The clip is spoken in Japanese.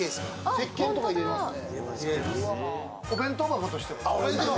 せっけんとか入れられますね。